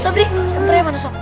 sobri senternya mana sob